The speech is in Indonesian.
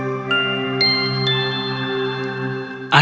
domba dan serigala